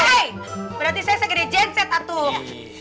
hei berarti saya segede genset atuh